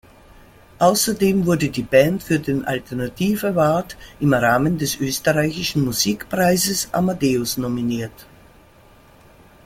Außerdem wurde die Band für den Alternative-Award im Rahmen des österreichischen Musikpreises „Amadeus“ nominiert.